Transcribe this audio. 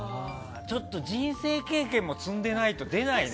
ちょっと人生経験も積んでないと出ないね。